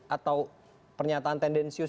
atau pernyataan tendensius